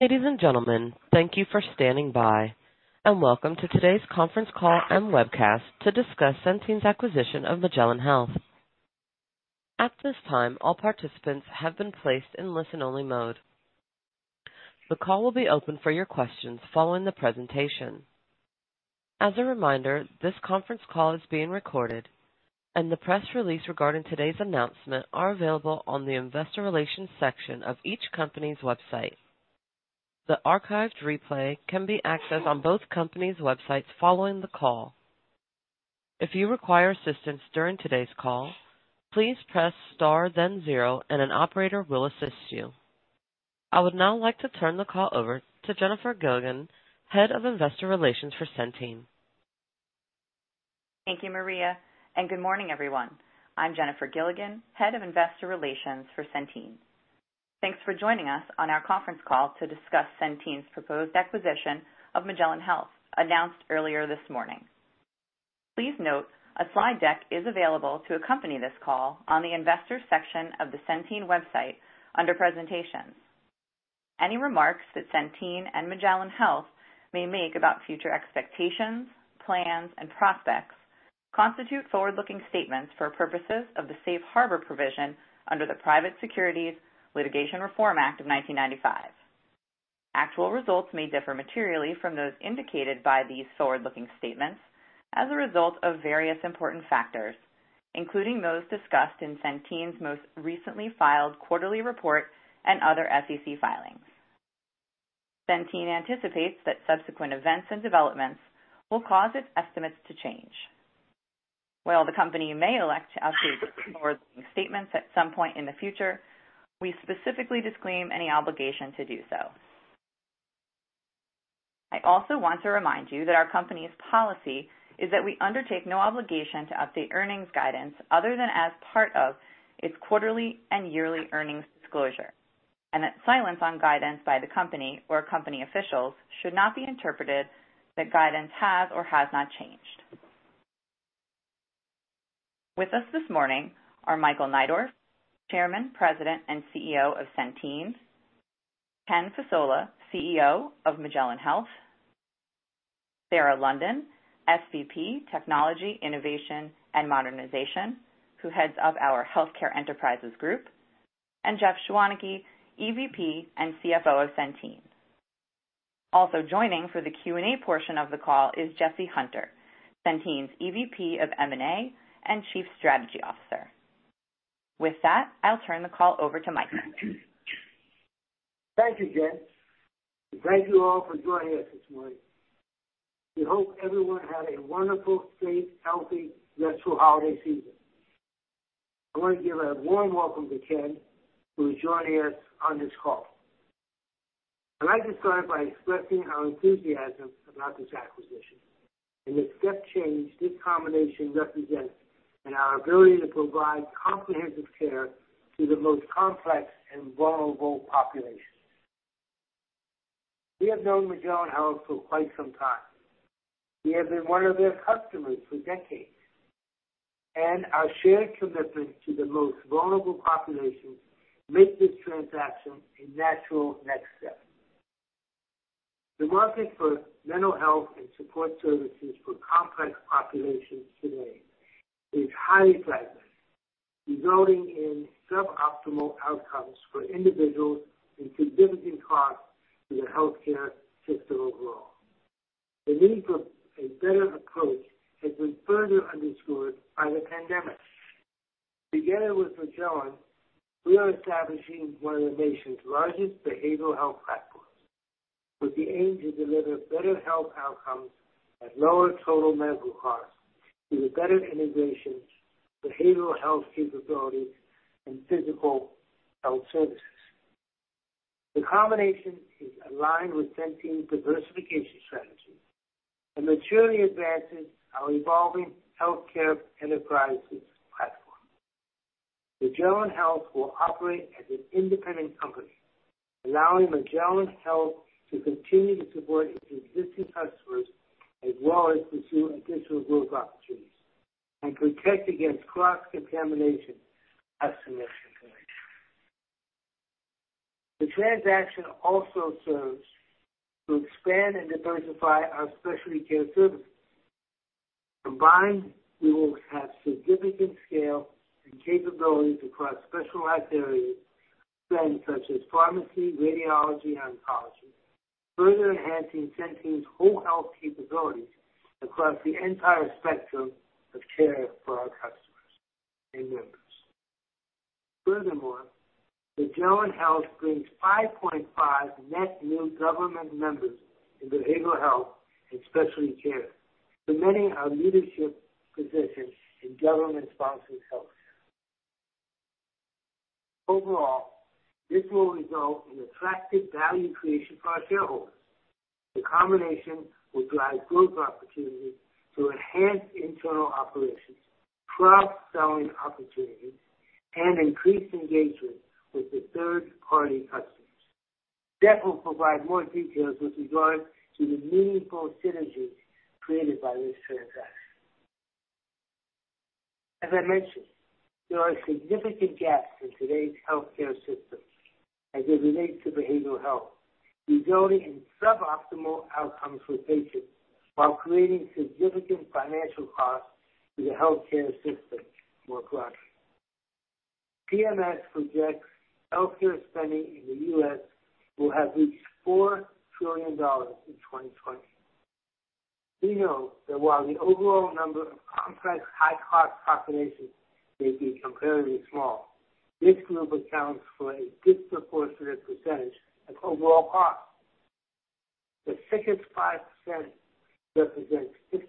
Ladies and gentlemen, thank you for standing by, and welcome to today's conference call and webcast to discuss Centene's acquisition of Magellan Health. At this time, all participants have been placed in listen-only mode. The call will be open for your questions following the presentation. As a reminder, this conference call is being recorded, and the press release regarding today's announcement is available on the investor relations section of each company's website. The archived replay can be accessed on both companies' websites following the call. If you require assistance during today's call, please press star, then zero, and an operator will assist you. I would now like to turn the call over to Jennifer Gilligan, Head of Investor Relations for Centene. Thank you, Maria, and good morning, everyone. I'm Jennifer Gilligan, Head of Investor Relations for Centene. Thanks for joining us on our conference call to discuss Centene's proposed acquisition of Magellan Health, announced earlier this morning. Please note a slide deck is available to accompany this call on the investor section of the Centene website under presentations. Any remarks that Centene and Magellan Health may make about future expectations, plans, and prospects constitute forward-looking statements for purposes of the safe harbor provision under the Private Securities Litigation Reform Act of 1995. Actual results may differ materially from those indicated by these forward-looking statements as a result of various important factors, including those discussed in Centene's most recently filed quarterly report and other SEC filings. Centene anticipates that subsequent events and developments will cause its estimates to change. While the company may elect to update its forward-looking statements at some point in the future, we specifically disclaim any obligation to do so. I also want to remind you that our company's policy is that we undertake no obligation to update earnings guidance other than as part of its quarterly and yearly earnings disclosure, and that silence on guidance by the company or company officials should not be interpreted that guidance has or has not changed. With us this morning are Michael Neidorff, Chairman, President, and CEO of Centene; Ken Fasola, CEO of Magellan Health; Sarah London, SVP, Technology, Innovation, and Modernization, who heads up our Healthcare Enterprises Group; and Jeff Schwaneke, EVP and CFO of Centene. Also joining for the Q&A portion of the call is Jesse Hunter, Centene's EVP of M&A and Chief Strategy Officer. With that, I'll turn the call over to Michael. Thank you, Jen. Thank you all for joining us this morning. We hope everyone had a wonderful, safe, healthy, and restful holiday season. I want to give a warm welcome to Ken, who is joining us on this call. I'd like to start by expressing our enthusiasm about this acquisition and the step change this combination represents in our ability to provide comprehensive care to the most complex and vulnerable populations. We have known Magellan Health for quite some time. We have been one of their customers for decades, and our shared commitment to the most vulnerable populations makes this transaction a natural next step. The market for mental health and support services for complex populations today is highly fragmented, resulting in suboptimal outcomes for individuals and significant costs to the healthcare system overall. The need for a better approach has been further underscored by the pandemic. Together with Magellan, we are establishing one of the nation's largest behavioral health platforms with the aim to deliver better health outcomes at lower total medical costs with better integration, behavioral health capabilities, and physical health services. The combination is aligned with Centene's diversification strategy and maturely advances our evolving Healthcare Enterprises platform. Magellan Health will operate as an independent company, allowing Magellan Health to continue to support its existing customers as well as pursue additional growth opportunities and protect against cross-contamination. The transaction also serves to expand and diversify our specialty care services. Combined, we will have significant scale and capabilities across specialized areas such as pharmacy, radiology, and oncology, further enhancing Centene's whole health capabilities across the entire spectrum of care for our customers and members. Furthermore, Magellan Health brings 5.5 million net new government members in behavioral health and specialty care, cementing our leadership position in government-sponsored healthcare. Overall, this will result in attractive value creation for our shareholders. The combination will drive growth opportunities to enhance internal operations, cross-selling opportunities, and increase engagement with the third-party customers. Jeff will provide more details with regard to the meaningful synergies created by this transaction. As I mentioned, there are significant gaps in today's healthcare system as it relates to behavioral health, resulting in suboptimal outcomes for patients while creating significant financial costs to the healthcare system more broadly. CMS projects healthcare spending in the U.S. will have reached $4 trillion in 2020. We know that while the overall number of complex, high-cost populations may be comparatively small, this group accounts for a disproportionate percentage of overall costs. The sickest 5% represents 50%.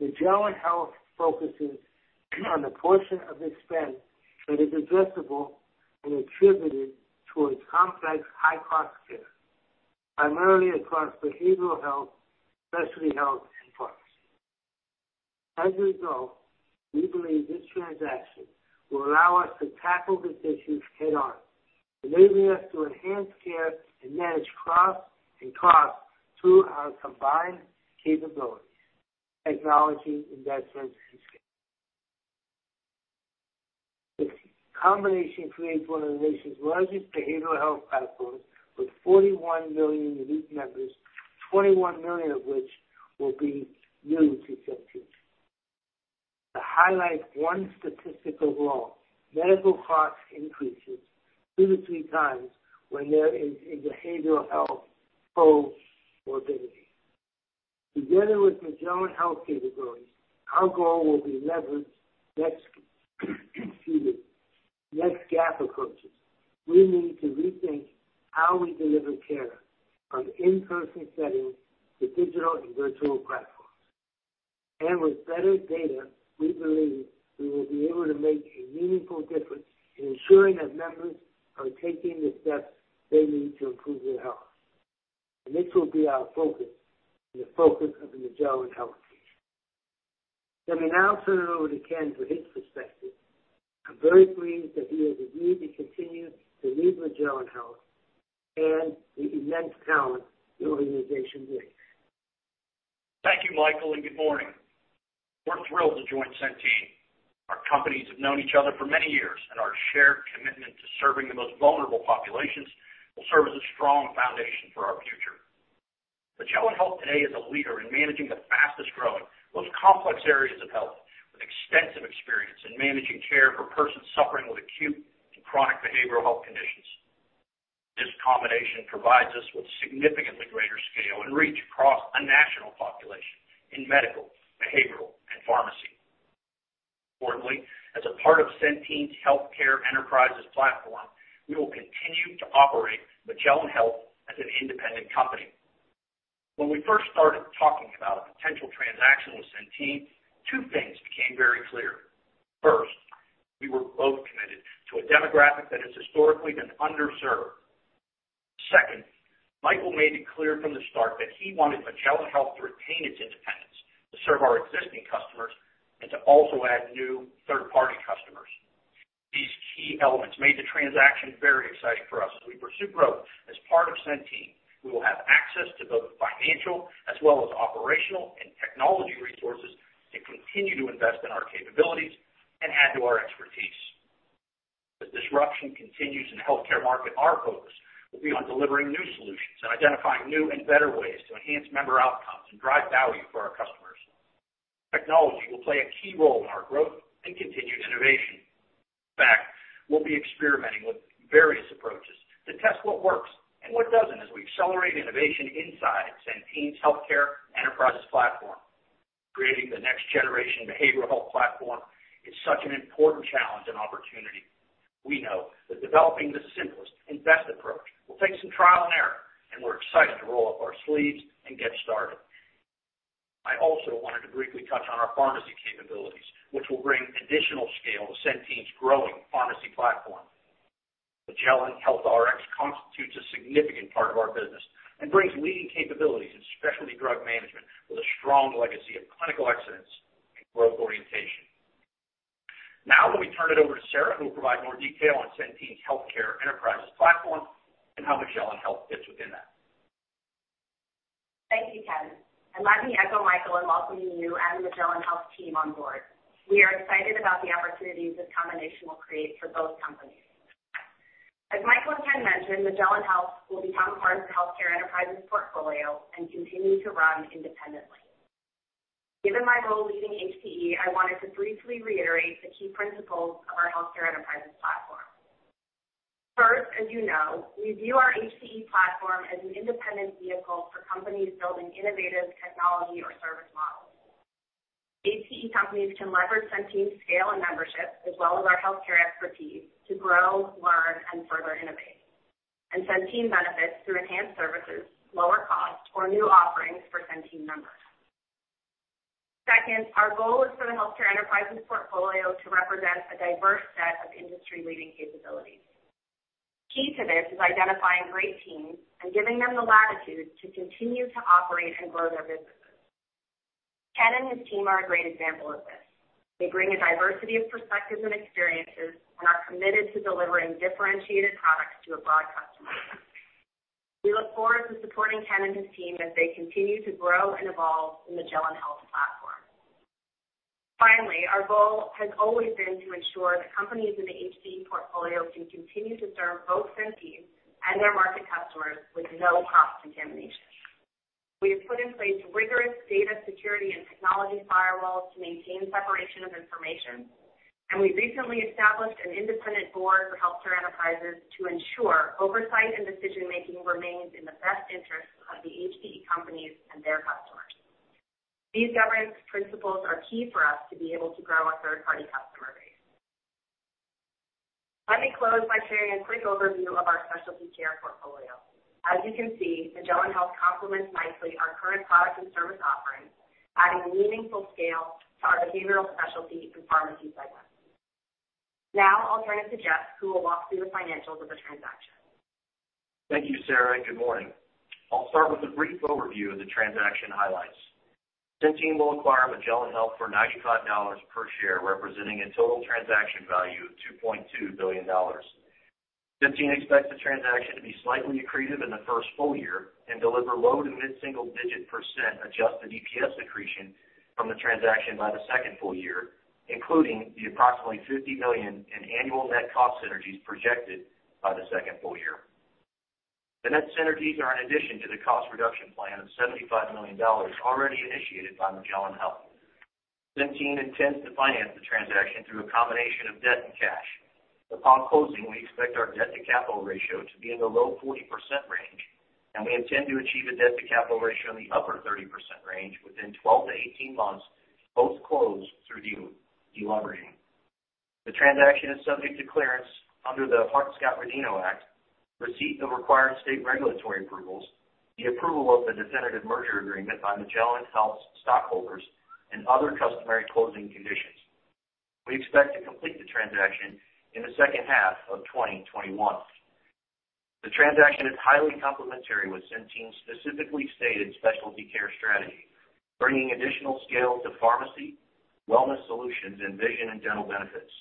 Magellan Health focuses on the portion of its spend that is addressable and attributed towards complex, high-cost care, primarily across behavioral health, specialty health, and pharmacy. As a result, we believe this transaction will allow us to tackle this issue head-on, enabling us to enhance care and manage costs through our combined capabilities, technology, investments, and scale. This combination creates one of the nation's largest behavioral health platforms with 41 million unique members, 21 million of which will be new to Centene. To highlight one statistic overall, medical costs increase two to three times when there is a behavioral health co-morbidity. Together with Magellan Health capabilities, our goal will be leveraged next-gen approaches. We need to rethink how we deliver care from in-person settings to digital and virtual platforms. With better data, we believe we will be able to make a meaningful difference in ensuring that members are taking the steps they need to improve their health. This will be our focus and the focus of the Magellan Health team. Let me now turn it over to Ken for his perspective. I am very pleased that he has agreed to continue to lead Magellan Health and the immense talent the organization brings. Thank you, Michael, and good morning. We're thrilled to join Centene. Our companies have known each other for many years, and our shared commitment to serving the most vulnerable populations will serve as a strong foundation for our future. Magellan Health today is a leader in managing the fastest-growing, most complex areas of health with extensive experience in managing care for persons suffering with acute and chronic behavioral health conditions. This combination provides us with significantly greater scale and reach across a national population in medical, behavioral, and pharmacy. Importantly, as a part of Centene's Healthcare Enterprises platform, we will continue to operate Magellan Health as an independent company. When we first started talking about a potential transaction with Centene, two things became very clear. First, we were both committed to a demographic that has historically been underserved. Second, Michael made it clear from the start that he wanted Magellan Health to retain its independence, to serve our existing customers, and to also add new third-party customers. These key elements made the transaction very exciting for us as we pursue growth. As part of Centene, we will have access to both financial as well as operational and technology resources to continue to invest in our capabilities and add to our expertise. As disruption continues in the healthcare market, our focus will be on delivering new solutions and identifying new and better ways to enhance member outcomes and drive value for our customers. Technology will play a key role in our growth and continued innovation. In fact, we'll be experimenting with various approaches to test what works and what doesn't as we accelerate innovation inside Centene's healthcare enterprises platform. Creating the next-generation behavioral health platform is such an important challenge and opportunity. We know that developing the simplest and best approach will take some trial and error, and we're excited to roll up our sleeves and get started. I also wanted to briefly touch on our pharmacy capabilities, which will bring additional scale to Centene's growing pharmacy platform. Magellan Rx constitutes a significant part of our business and brings leading capabilities in specialty drug management with a strong legacy of clinical excellence and growth orientation. Now, let me turn it over to Sarah, who will provide more detail on Centene's Healthcare Enterprises platform and how Magellan Health fits within that. Thank you, Ken. Let me echo Michael in welcoming you and the Magellan Health team on board. We are excited about the opportunities this combination will create for both companies. As Michael and Ken mentioned, Magellan Health will become part of the Healthcare Enterprises portfolio and continue to run independently. Given my role leading HPE, I wanted to briefly reiterate the key principles of our Healthcare Enterprises platform. First, as you know, we view our HPE platform as an independent vehicle for companies building innovative technology or service models. HPE companies can leverage Centene's scale and membership, as well as our healthcare expertise, to grow, learn, and further innovate, and Centene benefits through enhanced services, lower costs, or new offerings for Centene members. Second, our goal is for the Healthcare Enterprises portfolio to represent a diverse set of industry-leading capabilities. Key to this is identifying great teams and giving them the latitude to continue to operate and grow their businesses. Ken and his team are a great example of this. They bring a diversity of perspectives and experiences and are committed to delivering differentiated products to a broad customer base. We look forward to supporting Ken and his team as they continue to grow and evolve in the Magellan Health platform. Finally, our goal has always been to ensure that companies in the HPE portfolio can continue to serve both Centene and their market customers with no cross-contamination. We have put in place rigorous data security and technology firewalls to maintain separation of information, and we recently established an independent board for healthcare enterprises to ensure oversight and decision-making remains in the best interests of the HPE companies and their customers. These governance principles are key for us to be able to grow our third-party customer base. Let me close by sharing a quick overview of our specialty care portfolio. As you can see, Magellan Health complements nicely our current product and service offerings, adding meaningful scale to our behavioral specialty and pharmacy segments. Now, I'll turn it to Jeff, who will walk through the financials of the transaction. Thank you, Sarah, and good morning. I'll start with a brief overview of the transaction highlights. Centene will acquire Magellan Health for $95 per share, representing a total transaction value of $2.2 billion. Centene expects the transaction to be slightly accretive in the first full year and deliver low to mid-single-digit % adjusted EPS accretion from the transaction by the second full year, including the approximately $50 million in annual net cost synergies projected by the second full year. The net synergies are in addition to the cost reduction plan of $75 million already initiated by Magellan Health. Centene intends to finance the transaction through a combination of debt and cash. Upon closing, we expect our debt-to-capital ratio to be in the low 40% range, and we intend to achieve a debt-to-capital ratio in the upper 30% range within 12 to 18 months, post-close through de-leveraging. The transaction is subject to clearance under the Hart-Scott-Rodino Act, receipt of required state regulatory approvals, the approval of the definitive merger agreement by Magellan Health's stockholders, and other customary closing conditions. We expect to complete the transaction in the second half of 2021. The transaction is highly complementary with Centene's specifically stated specialty care strategy, bringing additional scale to pharmacy, wellness solutions, and vision and dental benefits.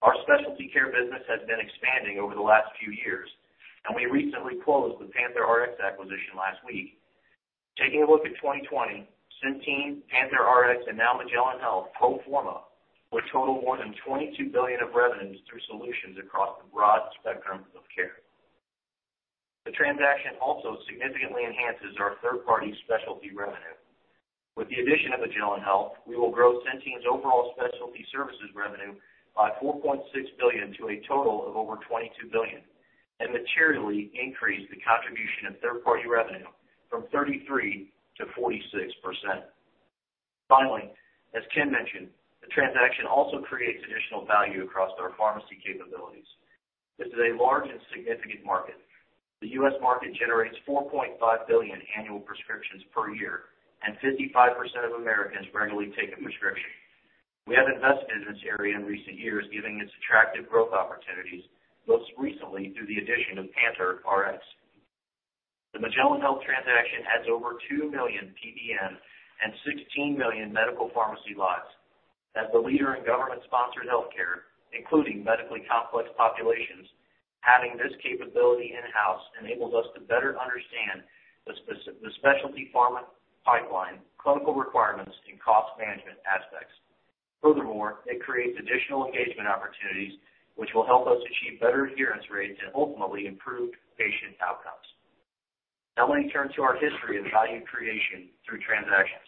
Our specialty care business has been expanding over the last few years, and we recently closed the PANTHERx acquisition last week. Taking a look at 2020, Centene, PANTHERx, and now Magellan Health pro forma would total more than $22 billion of revenues through solutions across the broad spectrum of care. The transaction also significantly enhances our third-party specialty revenue. With the addition of Magellan Health, we will grow Centene's overall specialty services revenue by $4.6 billion to a total of over $22 billion and materially increase the contribution of third-party revenue from 33% to 46%. Finally, as Ken mentioned, the transaction also creates additional value across our pharmacy capabilities. This is a large and significant market. The U.S. market generates $4.5 billion in annual prescriptions per year, and 55% of Americans regularly take a prescription. We have invested in this area in recent years, giving us attractive growth opportunities, most recently through the addition of PANTHERx. The Magellan Health transaction adds over 2 million PBM and 16 million medical pharmacy lives. As the leader in government-sponsored healthcare, including medically complex populations, having this capability in-house enables us to better understand the specialty pharma pipeline, clinical requirements, and cost management aspects. Furthermore, it creates additional engagement opportunities, which will help us achieve better adherence rates and ultimately improve patient outcomes. Now, let me turn to our history of value creation through transactions.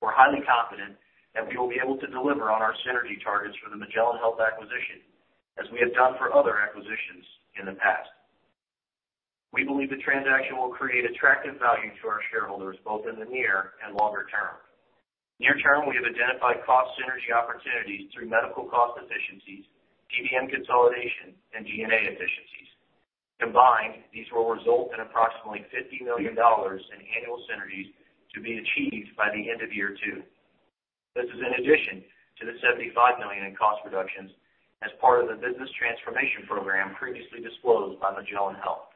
We're highly confident that we will be able to deliver on our synergy targets for the Magellan Health acquisition, as we have done for other acquisitions in the past. We believe the transaction will create attractive value to our shareholders both in the near and longer term. Near term, we have identified cost synergy opportunities through medical cost efficiencies, PBM consolidation, and G&A efficiencies. Combined, these will result in approximately $50 million in annual synergies to be achieved by the end of year two. This is in addition to the $75 million in cost reductions as part of the business transformation program previously disclosed by Magellan Health.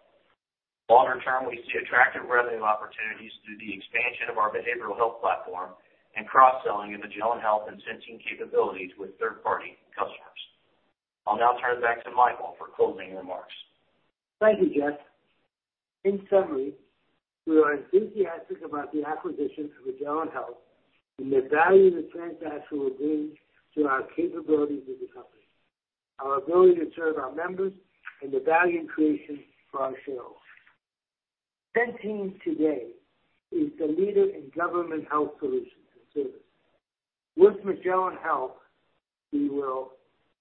Longer term, we see attractive revenue opportunities through the expansion of our behavioral health platform and cross-selling of Magellan Health and Centene capabilities with third-party customers. I'll now turn it back to Michael for closing remarks. Thank you, Jeff. In summary, we are enthusiastic about the acquisition of Magellan Health and the value the transaction will bring to our capabilities as a company, our ability to serve our members, and the value creation for our shareholders. Centene today is the leader in government health solutions and services. With Magellan Health, we will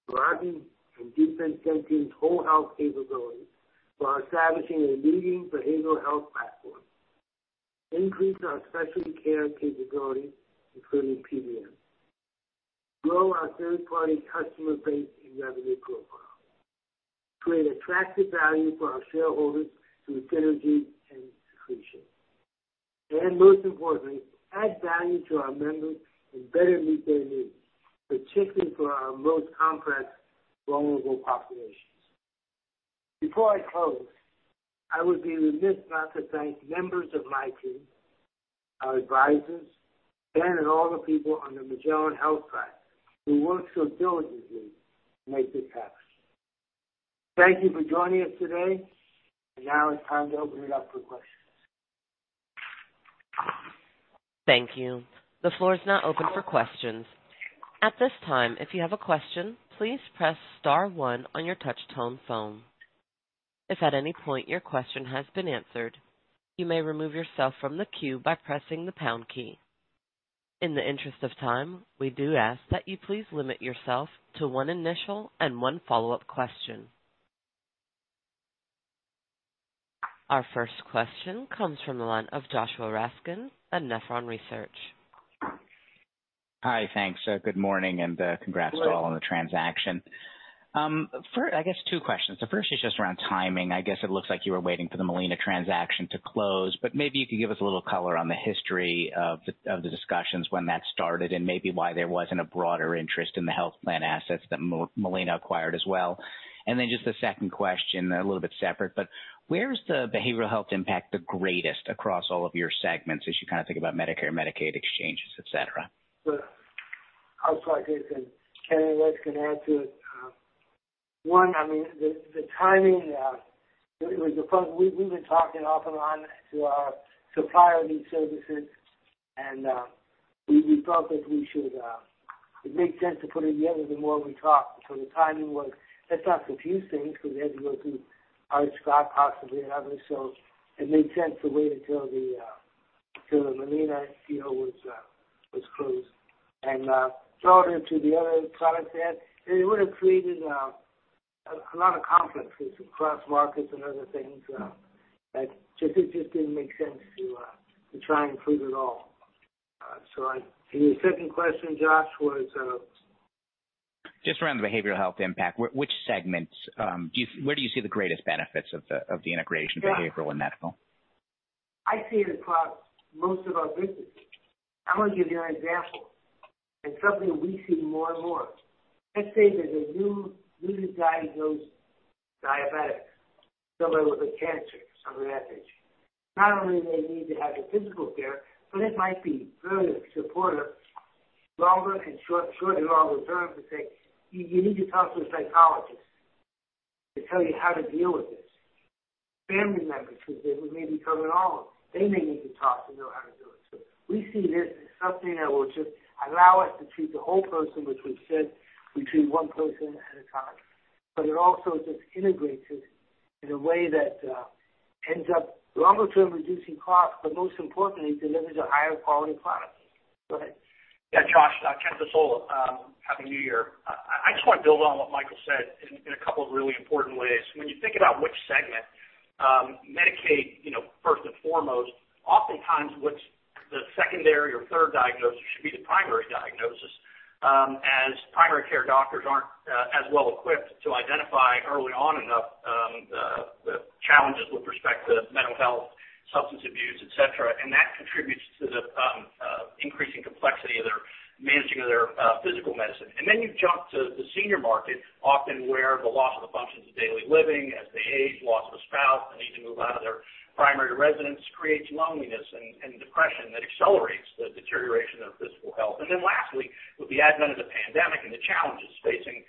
broaden and deepen Centene's whole health capabilities by establishing a leading behavioral health platform, increase our specialty care capabilities, including PBM, grow our third-party customer base and revenue profile, create attractive value for our shareholders through synergy and accretion, and most importantly, add value to our members and better meet their needs, particularly for our most complex, vulnerable populations. Before I close, I would be remiss not to thank members of my team, our advisors, Ken, and all the people on the Magellan Health side who worked so diligently to make this happen. Thank you for joining us today, and now it's time to open it up for questions. Thank you. The floor is now open for questions. At this time, if you have a question, please press star one on your touch-tone phone. If at any point your question has been answered, you may remove yourself from the queue by pressing the pound key. In the interest of time, we do ask that you please limit yourself to one initial and one follow-up question. Our first question comes from the line of Joshua Raskin at Nephron Research. Hi, thanks. Good morning and congrats to all on the transaction. I guess two questions. The first is just around timing. I guess it looks like you were waiting for the Molina transaction to close, but maybe you could give us a little color on the history of the discussions when that started and maybe why there wasn't a broader interest in the health plan assets that Molina acquired as well. The second question, a little bit separate, but where is the behavioral health impact the greatest across all of your segments as you kind of think about Medicare and Medicaid exchanges, etc.? Outside case, and Kenny can add to it. One, I mean, the timing, it was a fun—we've been talking off and on to our supplier of these services, and we felt that we should—it made sense to put it together the more we talked. The timing was—let's not confuse things because we had to go through RxAdvance possibly and others. It made sense to wait until the Molina deal was closed. Throw it into the other products add. It would have created a lot of conflicts across markets and other things that just didn't make sense to try and include it all. Your second question, Josh, was. Just around the behavioral health impact, which segments—where do you see the greatest benefits of the integration of behavioral and medical? I see it across most of our businesses. I'm going to give you an example. It's something we see more and more. Let's say there's a newly diagnosed diabetic, somebody with cancer, something of that nature. Not only do they need to have the physical care, but it might be very supportive, longer and short and longer term, to say, "You need to talk to a psychologist to tell you how to deal with this." Family members, because they may be coming home, they may need to talk to know how to do it. We see this as something that will just allow us to treat the whole person, which we said we treat one person at a time. It also just integrates it in a way that ends up longer-term reducing costs, but most importantly, delivers a higher quality product. Go ahead. Yeah, Josh, Ken Fasola, happy new year. I just want to build on what Michael said in a couple of really important ways. When you think about which segment, Medicaid, first and foremost, oftentimes the secondary or third diagnosis should be the primary diagnosis, as primary care doctors are not as well equipped to identify early on enough the challenges with respect to mental health, substance abuse, etc. That contributes to the increasing complexity of their managing of their physical medicine. You jump to the senior market, often where the loss of the functions of daily living, as they age, loss of a spouse, the need to move out of their primary residence creates loneliness and depression that accelerates the deterioration of physical health. Lastly, with the advent of the pandemic and the challenges facing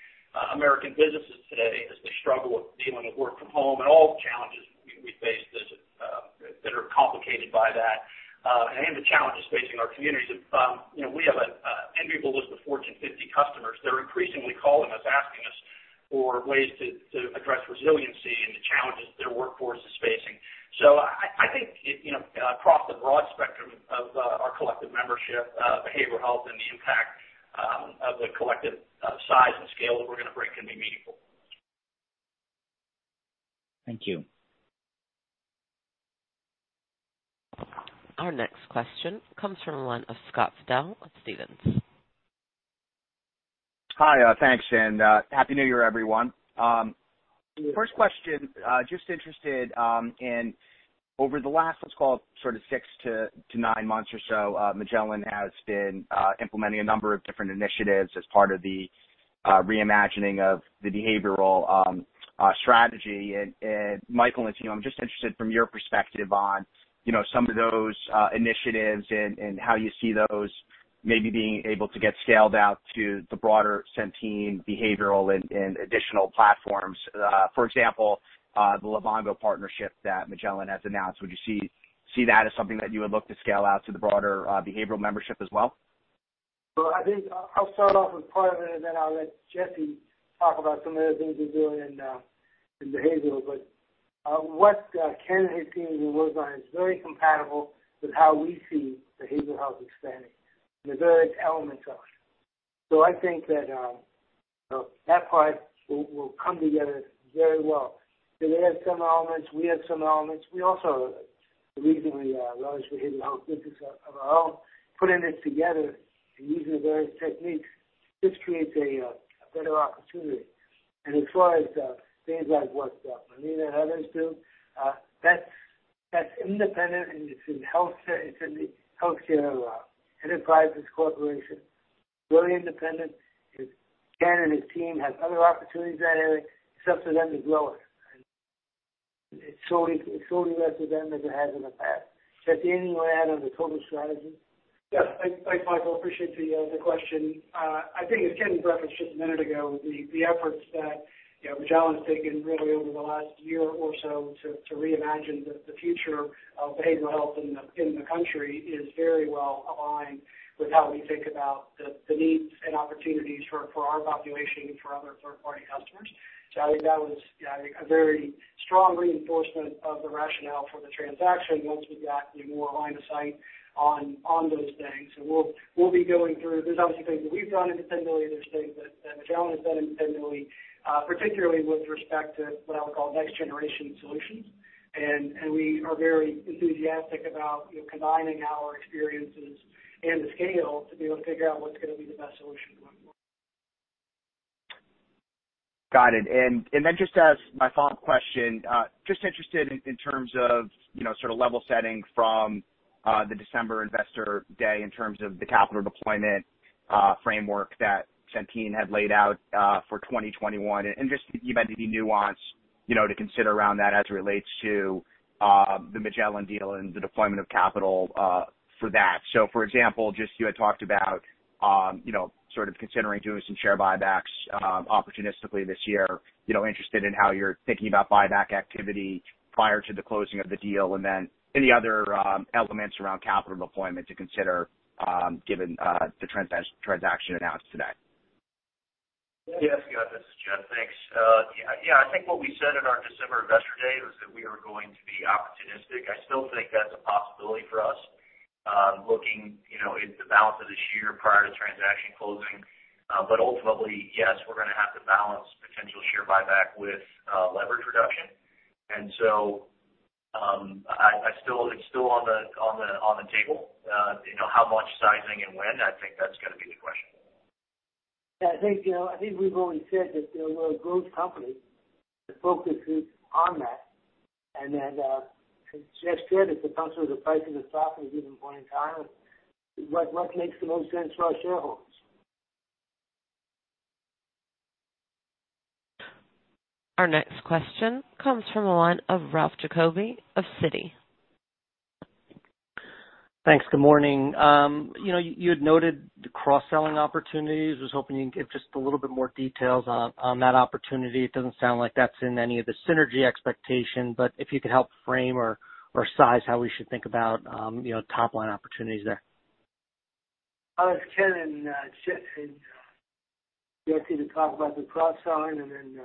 American businesses today as they struggle with dealing with work from home and all the challenges we face that are complicated by that, and the challenges facing our communities, we have an enviable list of Fortune 50 customers. They're increasingly calling us, asking us for ways to address resiliency and the challenges their workforce is facing. I think across the broad spectrum of our collective membership, behavioral health, and the impact of the collective size and scale that we're going to bring can be meaningful. Thank you. Our next question comes from Scott Fidel of Stephens. Hi, thanks, and happy new year, everyone. First question, just interested in over the last, let's call it sort of six to nine months or so, Magellan has been implementing a number of different initiatives as part of the reimagining of the behavioral strategy. Michael and Ken, I'm just interested from your perspective on some of those initiatives and how you see those maybe being able to get scaled out to the broader Centene behavioral and additional platforms. For example, the Livongo partnership that Magellan has announced, would you see that as something that you would look to scale out to the broader behavioral membership as well? I think I'll start off with part of it, and then I'll let Jesse talk about some of the things we're doing in behavioral. What Ken and his team were working on is very compatible with how we see behavioral health expanding and the various elements of it. I think that that part will come together very well. They have some elements, we have some elements. We also, the reason we launched behavioral health business of our own, put in this together and using the various techniques just creates a better opportunity. As far as things like what Molina and others do, that's independent, and it's in the Healthcare Enterprises corporation, really independent. Ken and his team have other opportunities in that area, except for them to grow it. It's solely left to them as it has in the past. Jesse, anything you want to add on the total strategy? Yes. Thanks, Michael. Appreciate the question. I think, as Ken referenced just a minute ago, the efforts that Magellan has taken really over the last year or so to reimagine the future of behavioral health in the country is very well aligned with how we think about the needs and opportunities for our population and for other third-party customers. I think that was a very strong reinforcement of the rationale for the transaction once we've got more line of sight on those things. We will be going through—there's obviously things that we've done independently, there's things that Magellan has done independently, particularly with respect to what I would call next-generation solutions. We are very enthusiastic about combining our experiences and the scale to be able to figure out what's going to be the best solution going forward. Got it. Just as my follow-up question, just interested in terms of sort of level setting from the December investor day in terms of the capital deployment framework that Centene had laid out for 2021. You mentioned the nuance to consider around that as it relates to the Magellan deal and the deployment of capital for that. For example, just you had talked about sort of considering doing some share buybacks opportunistically this year, interested in how you're thinking about buyback activity prior to the closing of the deal, and then any other elements around capital deployment to consider given the transaction announced today. Yes, guys. This is Jeff. Thanks. Yeah, I think what we said at our December investor day was that we were going to be opportunistic. I still think that's a possibility for us looking at the balance of this year prior to transaction closing. Ultimately, yes, we're going to have to balance potential share buyback with leverage reduction. It is still on the table. How much sizing and when, I think that's going to be the question. Yeah, I think we've always said that there will be a growth company that focuses on that. Then as Jeff said, it depends on the price of the stock at a given point in time. What makes the most sense for our shareholders? Our next question comes from a line of Ralph Giacobbe of Citi. Thanks. Good morning. You had noted the cross-selling opportunities. I was hoping you'd give just a little bit more details on that opportunity. It doesn't sound like that's in any of the synergy expectations, but if you could help frame or size how we should think about top-line opportunities there. I was Ken and Jesse to talk about the cross-selling, and then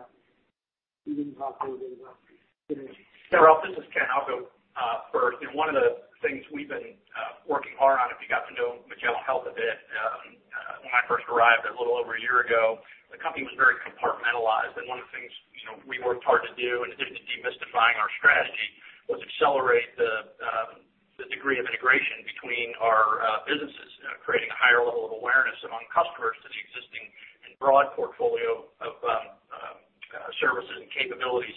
you did not talk a little bit about synergy. Yeah, Ralph, this is Ken. I'll go first. One of the things we've been working hard on, if you got to know Magellan Health a bit, when I first arrived a little over a year ago, the company was very compartmentalized. One of the things we worked hard to do, in addition to demystifying our strategy, was accelerate the degree of integration between our businesses, creating a higher level of awareness among customers to the existing and broad portfolio of services and capabilities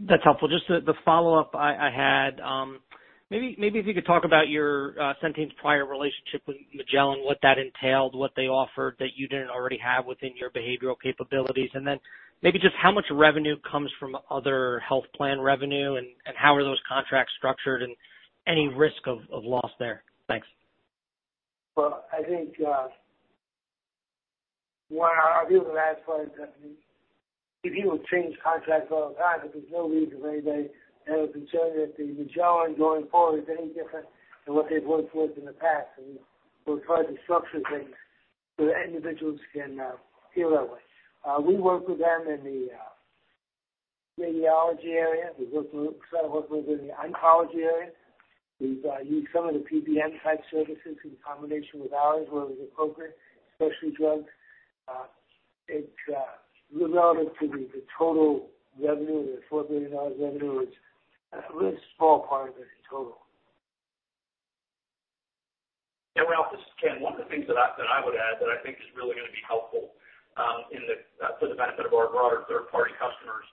That's helpful. Just the follow-up I had, maybe if you could talk about your Centene's prior relationship with Magellan, what that entailed, what they offered that you didn't already have within your behavioral capabilities, and then maybe just how much revenue comes from other health plan revenue and how are those contracts structured and any risk of loss there. Thanks. I think while I'll give the last part, if you would change contracts all the time, there's no reason for anybody to have a concern that the Magellan going forward is any different than what they've worked with in the past. We'll try to structure things so that individuals can feel that way. We work with them in the radiology area. We've started working with them in the oncology area. We've used some of the PBM-type services in combination with ours where it was appropriate, especially drugs. Relative to the total revenue, the $4 billion revenue is a really small part of the total. Yeah, Ralph, this is Ken. One of the things that I would add that I think is really going to be helpful for the benefit of our broader third-party customers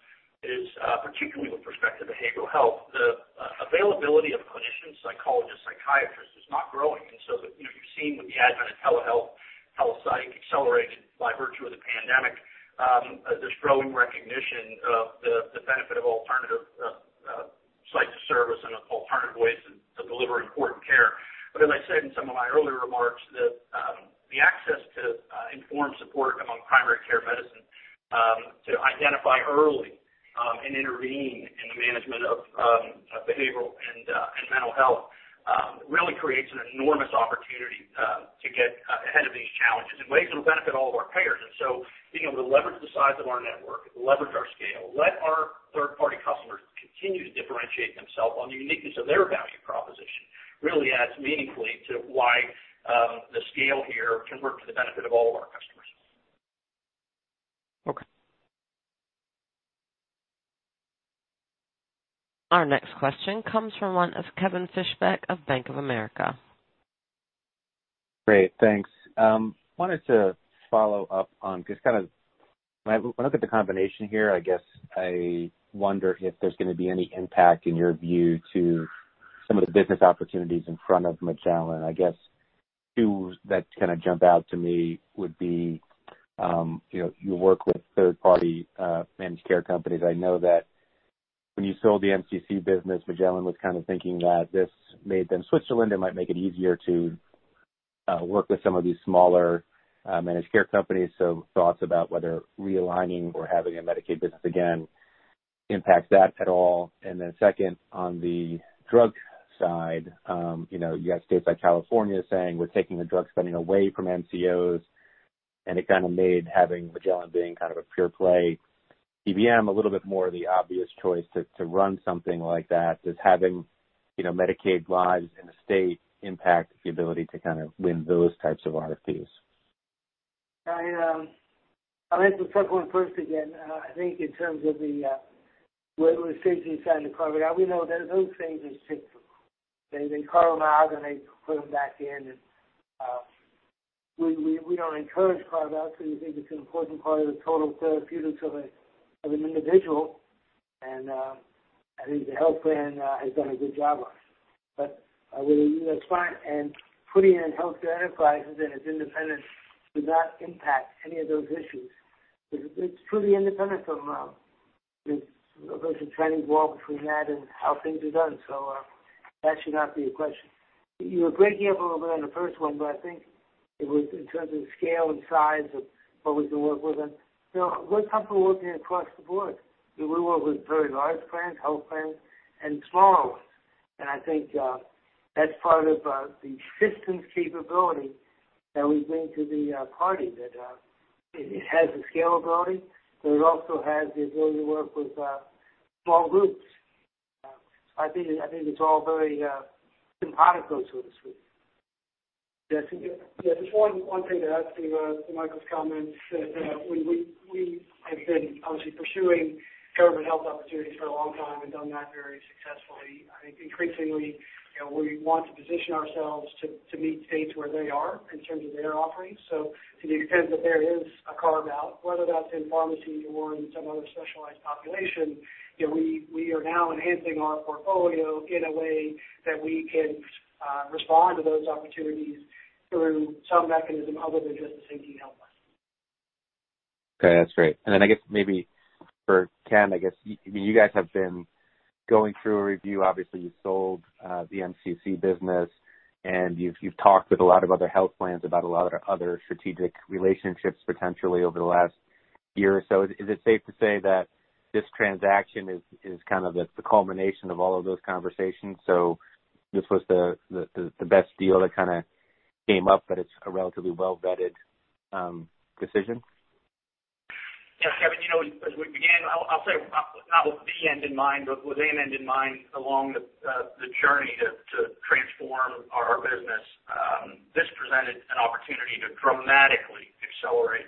is, particularly with respect to behavioral health, the availability of clinicians, psychologists, psychiatrists is not growing. You have seen with the advent of telehealth, telepsych accelerated by virtue of the pandemic, there is growing recognition of the benefit of alternative sites of service and alternative ways to deliver important care. As I said in some of my earlier remarks, the access to informed support among primary care medicine to identify early and intervene in the management of behavioral and mental health really creates an enormous opportunity to get ahead of these challenges in ways that will benefit all of our payers. Being able to leverage the size of our network, leverage our scale, let our third-party customers continue to differentiate themselves on the uniqueness of their value proposition really adds meaningfully to why the scale here can work to the benefit of all of our customers. Okay. Our next question comes from Kevin Fischbeck of Bank of America. Great. Thanks. I wanted to follow up on because kind of when I look at the combination here, I guess I wonder if there's going to be any impact in your view to some of the business opportunities in front of Magellan. I guess two that kind of jump out to me would be your work with third-party managed care companies. I know that when you sold the MCC business, Magellan was kind of thinking that this made them Switzerland. It might make it easier to work with some of these smaller managed care companies. Thoughts about whether realigning or having a Medicaid business again impacts that at all. On the drug side, you had states like California saying, "We're taking drug spending away from MCOs." It kind of made having Magellan being kind of a pure play PBM a little bit more of the obvious choice to run something like that. Does having Medicaid lives in the state impact the ability to kind of win those types of RFPs? I'll answer the second one first again. I think in terms of the way we're facing side of the carve-out, we know that those things are tickable. They carve them out and they put them back in. We don't encourage carve-outs because we think it's an important part of the total therapeutics of an individual. I think the health plan has done a good job of it. That's fine. Putting in Healthcare Enterprises and its independence does not impact any of those issues. It's truly independent from a virtual training wall between that and how things are done. That should not be a question. You were breaking up a little bit on the first one, but I think it was in terms of the scale and size of what we can work with them. We're comfortable working across the board. We work with very large plans, health plans, and smaller ones. I think that's part of the Centene's capability that we bring to the party, that it has the scalability, but it also has the ability to work with small groups. I think it's all very simpatico, so to speak. Jesse? Yeah, just one thing to add to Michael's comments. When we have been obviously pursuing government health opportunities for a long time and done that very successfully, I think increasingly we want to position ourselves to meet states where they are in terms of their offerings. To the extent that there is a carve-out, whether that's in pharmacy or in some other specialized population, we are now enhancing our portfolio in a way that we can respond to those opportunities through some mechanism other than just the Centene health plan. Okay. That's great. I guess maybe for Ken, I guess you guys have been going through a review. Obviously, you sold the MCC business, and you've talked with a lot of other health plans about a lot of other strategic relationships potentially over the last year or so. Is it safe to say that this transaction is kind of the culmination of all of those conversations? This was the best deal that kind of came up, but it's a relatively well-vetted decision? Yeah, Kevin, again, I'll say not with the end in mind, but with an end in mind along the journey to transform our business. This presented an opportunity to dramatically accelerate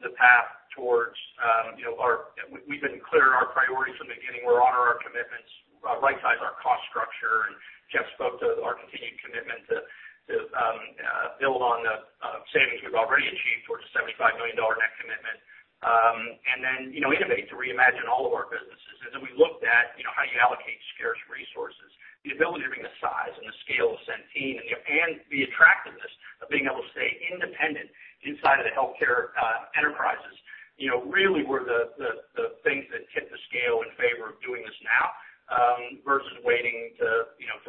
the path towards our we've been clear on our priorities from the beginning. We're honoring our commitments, right-size our cost structure. Jeff spoke to our continued commitment to build on the savings we've already achieved towards a $75 million net commitment and then innovate to reimagine all of our businesses. We looked at how you allocate scarce resources, the ability to bring the size and the scale of Centene and the attractiveness of being able to stay independent inside of the healthcare enterprises really were the things that tipped the scale in favor of doing this now versus waiting to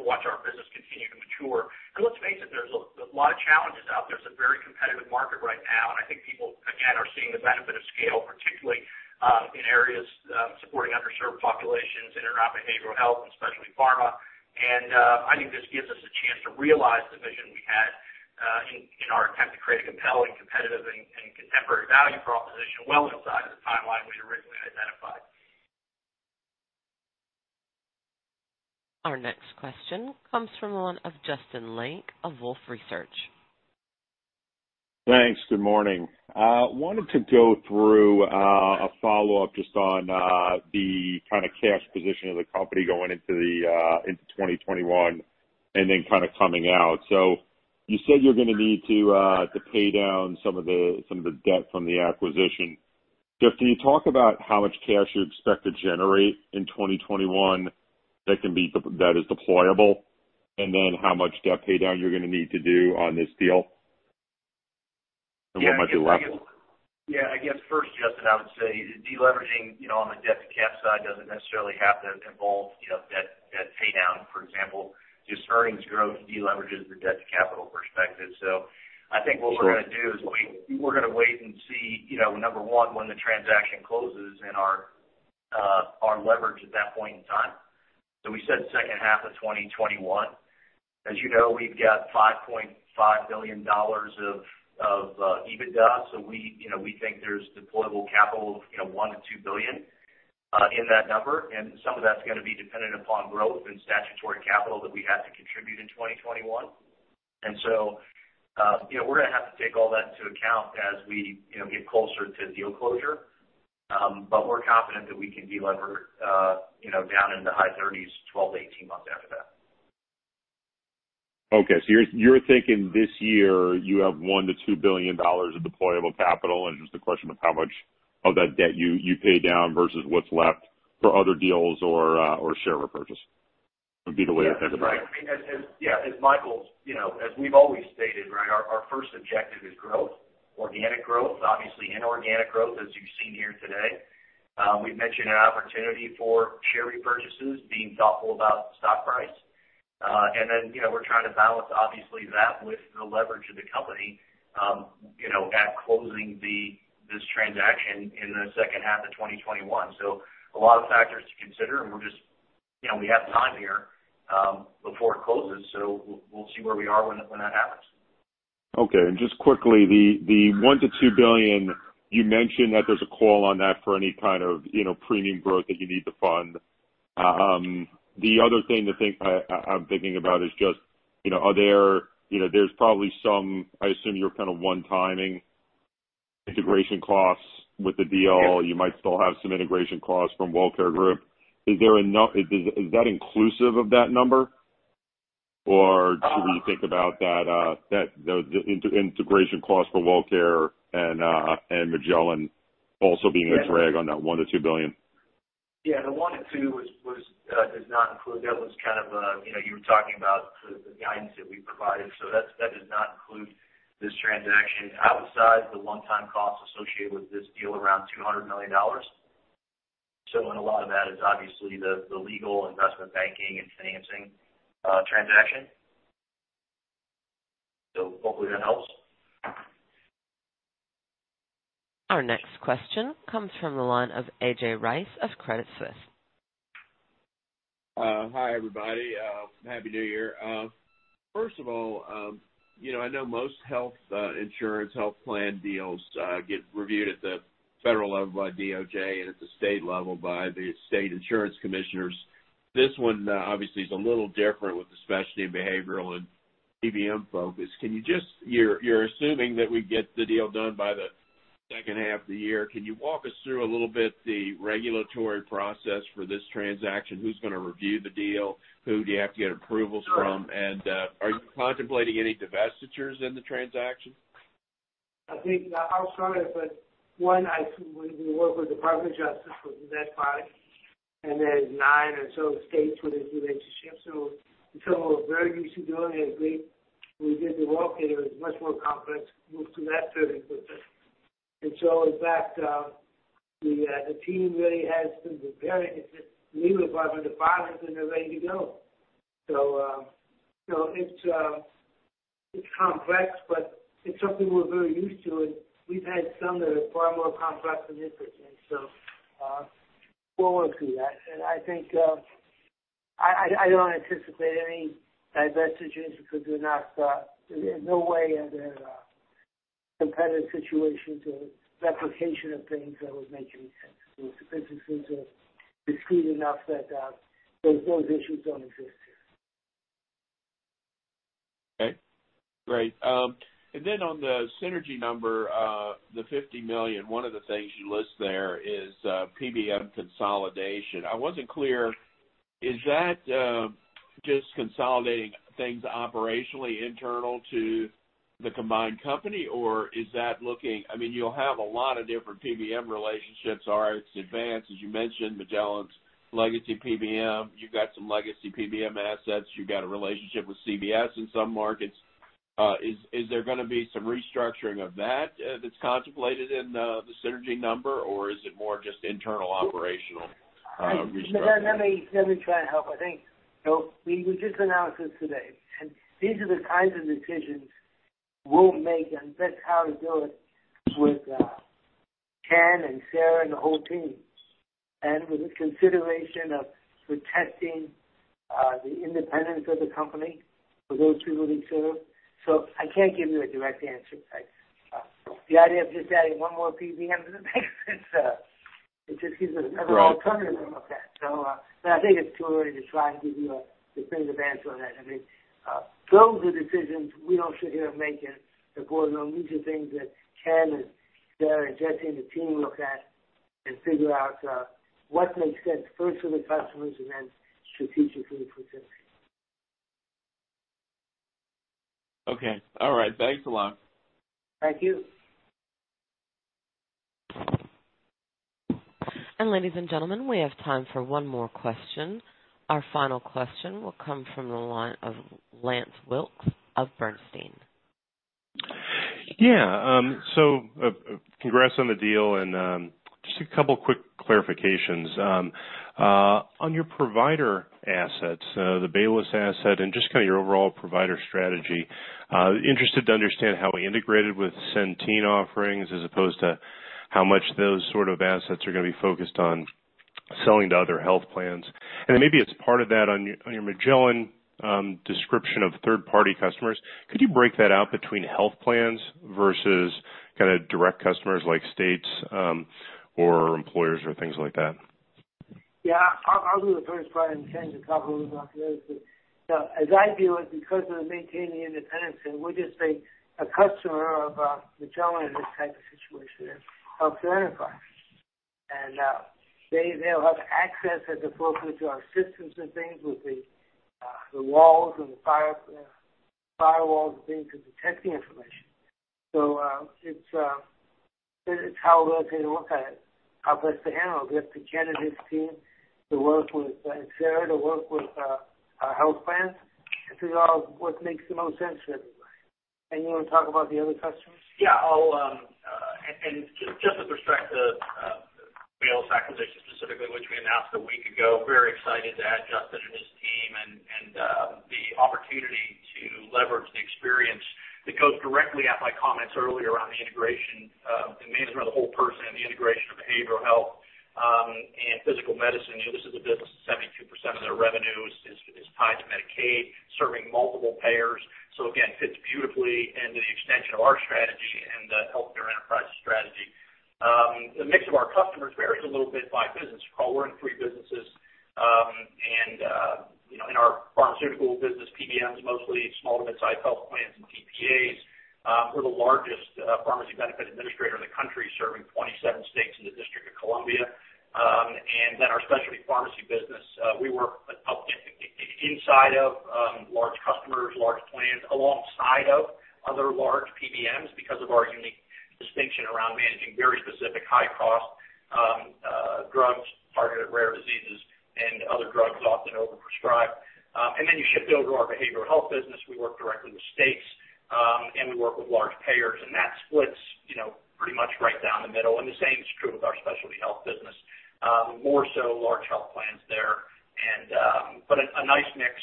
watch our business continue to mature. Let's face it, there's a lot of challenges out there. It's a very competitive market right now. I think people, again, are seeing the benefit of scale, particularly in areas supporting underserved populations, in and around behavioral health, and especially pharma. I think this gives us a chance to realize the vision we had in our attempt to create a compelling, competitive, and contemporary value proposition well inside of the timeline we had originally identified. Our next question comes from Justin Lake of Wolfe Research. Thanks. Good morning. I wanted to go through a follow-up just on the kind of cash position of the company going into 2021 and then kind of coming out. You said you're going to need to pay down some of the debt from the acquisition. Jeff, can you talk about how much cash you expect to generate in 2021 that is deployable, and then how much debt paydown you're going to need to do on this deal and what might be left? Yeah. I guess first, Justin, I would say deleveraging on the debt-to-cap side does not necessarily have to involve debt paydown, for example. Just earnings growth deleverages the debt-to-capital perspective. I think what we are going to do is we are going to wait and see, number one, when the transaction closes and our leverage at that point in time. We said second half of 2021. As you know, we have got $5.5 billion of EBITDA. We think there is deployable capital of $1 billion-$2 billion in that number. Some of that is going to be dependent upon growth and statutory capital that we have to contribute in 2021. We are going to have to take all that into account as we get closer to deal closure. We are confident that we can deleverage down in the high 30s, 12 to 18 months after that. Okay. You're thinking this year you have $1 billion-$2 billion of deployable capital, and it's just a question of how much of that debt you pay down versus what's left for other deals or share repurchase would be the way to think about it. Exactly. I mean, yeah, as Michael's, as we've always stated, right, our first objective is growth, organic growth, obviously inorganic growth, as you've seen here today. We've mentioned an opportunity for share repurchases, being thoughtful about the stock price. We are trying to balance, obviously, that with the leverage of the company at closing this transaction in the second half of 2021. A lot of factors to consider. We have time here before it closes. We'll see where we are when that happens. Okay. Just quickly, the $1 billion to $2 billion, you mentioned that there's a call on that for any kind of premium growth that you need to fund. The other thing I'm thinking about is just, there's probably some, I assume you're kind of one-timing integration costs with the deal. You might still have some integration costs from WellCare Group. Is that inclusive of that number, or should we think about that integration cost for WellCare and Magellan also being a drag on that $1 billion to $2 billion? Yeah. The 1-2 does not include. That was kind of you were talking about the guidance that we provided. That does not include this transaction outside the one-time cost associated with this deal around $200 million. A lot of that is obviously the legal, investment banking, and financing transaction. Hopefully that helps. Our next question comes from the line of A.J. Rice of Credit Suisse. Hi, everybody. Happy New Year. First of all, I know most health insurance, health plan deals get reviewed at the federal level by DOJ and at the state level by the state insurance commissioners. This one, obviously, is a little different with the specialty and behavioral and PBM focus. You're assuming that we get the deal done by the second half of the year. Can you walk us through a little bit the regulatory process for this transaction? Who's going to review the deal? Who do you have to get approvals from? Are you contemplating any divestitures in the transaction? I think I was coming up with one, when we work with the Department of Justice for the deat product, and then nine or so states. This relationship. Until we were very used to doing it, when we did the work, it was much more complex to move to that 30%. In fact, the team really has been preparing. It's the legal department, the filings, and they're ready to go. It's complex, but it's something we're very used to. We've had some that are far more complex than this is, and we'll work through that. I don't anticipate any divestitures because we're not in no way in a competitive situation to replication of things that would make any sense. The business seems to be discrete enough that those issues don't exist here. Okay. Great. Then on the Synergy number, the $50 million, one of the things you list there is PBM consolidation. I was not clear. Is that just consolidating things operationally internal to the combined company, or is that looking, I mean, you will have a lot of different PBM relationships, RXAdvance, as you mentioned, Magellan's legacy PBM. You have some legacy PBM assets. You have a relationship with CVS in some markets. Is there going to be some restructuring of that that is contemplated in the Synergy number, or is it more just internal operational restructuring? Let me try and help. I think we just announced this today. These are the kinds of decisions we'll make and that is how to do it with Ken and Sarah and the whole team. With the consideration of protecting the independence of the company for those people they serve, I can't give you a direct answer. The idea of just adding one more PBM doesn't make sense. It just gives us another alternative to look at. I think it's too early to try and give you a definitive answer on that. I mean, those are decisions we don't sit here and make and the board will need to think that Ken and Sarah and Jesse and the team look at and figure out what makes sense first for the customers and then strategically for Synergy. Okay. All right. Thanks a lot. Thank you. Ladies and gentlemen, we have time for one more question. Our final question will come from the line of Lance Wilkes of Bernstein. Yeah. Congrats on the deal. Just a couple of quick clarifications. On your provider assets, the Bayless asset, and just kind of your overall provider strategy, interested to understand how integrated with Centene offerings as opposed to how much those sort of assets are going to be focused on selling to other health plans. Maybe as part of that, on your Magellan description of third-party customers, could you break that out between health plans versus kind of direct customers like states or employers or things like that? Yeah. I'll do the first part and Ken can talk a little bit about that. As I view it, because of maintaining independence, we're just a customer of Magellan in this type of situation and Healthcare Enterprise. And they'll have access at the forefront to our systems and things with the walls and the firewalls and things to protect the information. It is how we're going to look at it, how best to handle it. We have Ken and his team to work with and Sarah to work with our health plans and figure out what makes the most sense for everybody. You want to talk about the other customers? Yeah. Just with respect to the Bayless acquisition specifically, which we announced a week ago, very excited to add Justin and his team and the opportunity to leverage the experience that goes directly out of my comments earlier around the integration and management of the whole person and the integration of behavioral health and physical medicine. This is a business that 72% of their revenue is tied to Medicaid, serving multiple payers. Again, fits beautifully into the extension of our strategy and the healthcare enterprise strategy. The mix of our customers varies a little bit by business. We're in three businesses. In our pharmaceutical business, PBM is mostly small to mid-size health plans and TPAs. We're the largest pharmacy benefit administrator in the country, serving 27 states and the District of Columbia. Our specialty pharmacy business, we work inside of large customers, large plans, alongside of other large PBMs because of our unique distinction around managing very specific high-cost drugs, targeted rare diseases, and other drugs often overprescribed. You shift over to our behavioral health business. We work directly with states, and we work with large payers. That splits pretty much right down the middle. The same is true with our specialty health business, more so large health plans there. A nice mix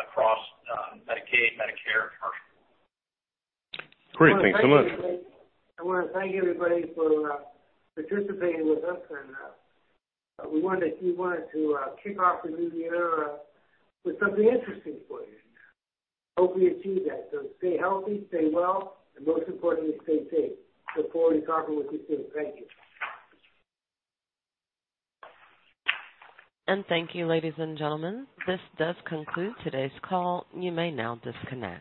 across Medicaid, Medicare, and pharmacy. Great. Thanks so much. Thank you, everybody, for participating with us. We wanted to kick off the new year with something interesting for you. Hope we achieve that. Stay healthy, stay well, and most importantly, stay safe. Look forward to talking with you soon. Thank you. Thank you, ladies and gentlemen. This does conclude today's call. You may now disconnect.